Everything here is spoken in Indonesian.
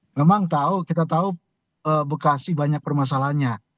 memang kita tahu bekasi banyak permasalahannya